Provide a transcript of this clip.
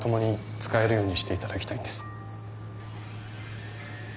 使えるようにしていただきたいんです